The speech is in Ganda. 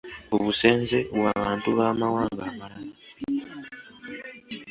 Obusenze bw’abantu b’amawanga amalala